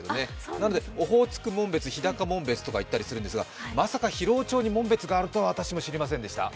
なのでオホーツク紋別、日高紋別といったりするんですが、まさか広尾町に紋別があるとは知らなかったです。